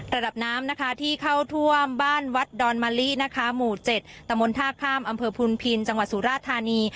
ระดับน้ำนะคะที่เข้าท่วมบ้านวัดดอนมะลินะคะหมู่๗ตะมนต์ท่าข้ามอำเภอพุนพินจังหวัดสุราธานี